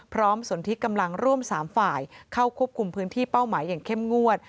สนทิกำลังร่วม๓ฝ่ายเข้าควบคุมพื้นที่เป้าหมายอย่างเข้มงวด